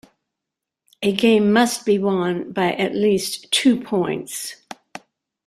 A game must be won by at least two points.